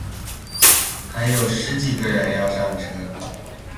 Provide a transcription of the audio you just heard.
还有十几个人要上车